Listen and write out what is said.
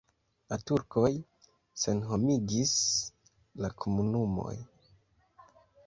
La turkoj senhomigis la komunumon.